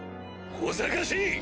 小ざかしい！